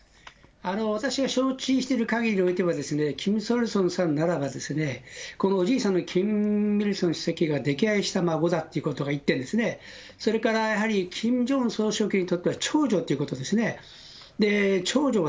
私が承知しているかぎりにおいては、キム・ソルソンさんならば、このおじいさんのキム・イルソン主席ができ愛した孫だということを言ってんですね、それから、キム・ジョンウン総書記にとっては、長女ということですね。